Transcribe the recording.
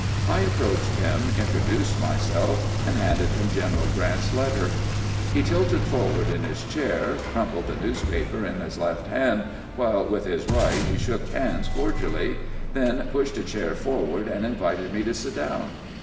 I approached him, introduced myself, and handed him Greneral Grant's letter. He tilted forward in his chair, crumpled the newspaper in his left hand while with his right he shook hands cordially, then pushed a chair forward and invited me to sit down.